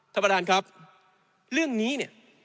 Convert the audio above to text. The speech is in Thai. ท่านประธานครับเรื่องนี้เนี่ย